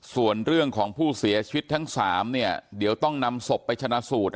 ส่วนเรื่องของผู้เสียชีวิตทั้ง๓เนี่ยเดี๋ยวต้องนำศพไปชนะสูตร